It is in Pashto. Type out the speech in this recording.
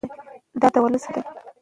دا د ولس حق دی.